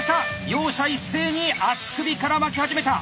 両者一斉に足首から巻き始めた。